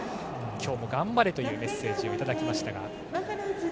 今日も頑張れというメッセージをいただきました。